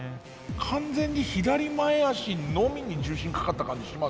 完全に左前足のみに重心かかった感じしますね。